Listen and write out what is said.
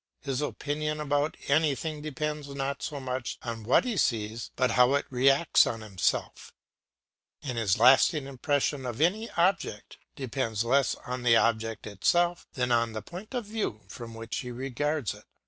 His opinion about anything depends not so much on what he sees, but on how it reacts on himself; and his lasting impression of any object depends less on the object itself than on the point of view from which he regards it.